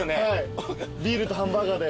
ビールとハンバーガーで。